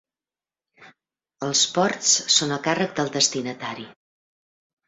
Els ports són a càrrec del destinatari.